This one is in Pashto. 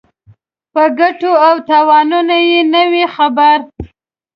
په ګټو او تاوانونو یې نه وي خبر.